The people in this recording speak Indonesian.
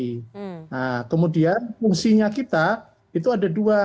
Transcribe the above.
nah kemudian fungsinya kita itu ada dua